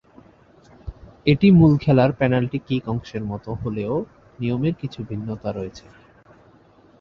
এটি মূল খেলার পেনাল্টি কিক অংশের মতো হলেও নিয়মের কিছু ভিন্নতা রয়েছে।